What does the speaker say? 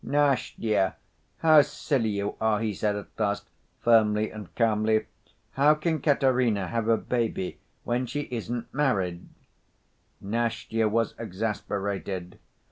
"Nastya, how silly you are!" he said at last, firmly and calmly. "How can Katerina have a baby when she isn't married?" Nastya was exasperated.